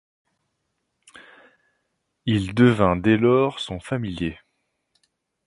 Il devint dès lors son familier.